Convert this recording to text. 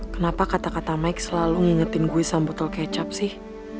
kenapa kata kata mike selalu ngingetin gue sambutle kecap sih